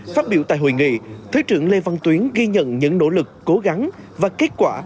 phát biểu tại hội nghị thứ trưởng lê văn tuyến ghi nhận những nỗ lực cố gắng và kết quả